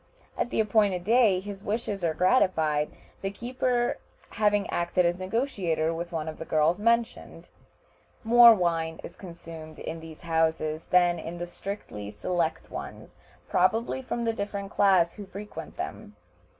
At the appointed day his wishes are gratified, the keeper having acted as negotiator with one of the girls mentioned. More wine is consumed in these houses than in the strictly select ones, probably from the different class who frequent them.